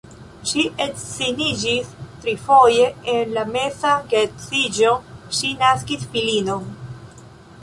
Ŝi edziniĝis trifoje, en la meza geedziĝo ŝi naskis filinon.